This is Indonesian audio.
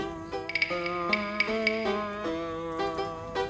tidak ada yang bisa dihargai